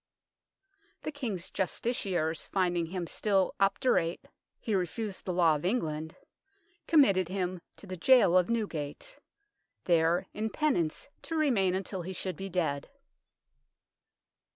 The King's justiciars, finding him still obdurate " he refused the law of England " committed him to the gaol of Newgate, there in penance to remain until he should be dead.